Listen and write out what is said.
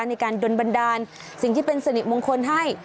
ในการดนบันดาลสิ่งที่เป็นสิริมงคลให้